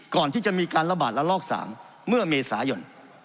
ก่อนที่จะมีการระบาดระลอก๓เมื่อเมษายน